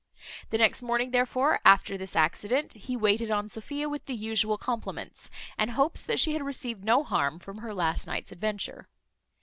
The next morning therefore, after this accident, he waited on Sophia, with the usual compliments, and hopes that she had received no harm from her last night's adventure.